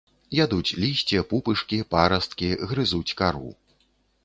Ядуць лісце, пупышкі, парасткі, грызуць кару.